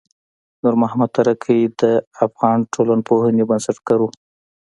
نورمحمد ترکی د افغان ټولنپوهنې بنسټګر و.